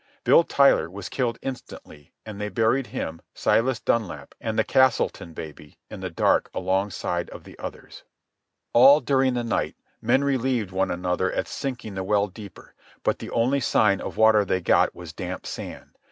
Bill Tyler was killed instantly, and they buried him, Silas Dunlap, and the Castleton baby, in the dark alongside of the others. All during the night men relieved one another at sinking the well deeper; but the only sign of water they got was damp sand.